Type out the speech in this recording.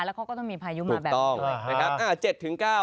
แล้วก็ต้องมีพายุมาแบบนี้เลย